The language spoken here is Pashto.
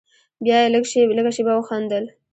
بيا يې لږه شېبه وخندل.